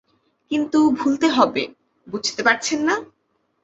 কিন্তু ভুলতে হবে, বুঝতে পারছেন না?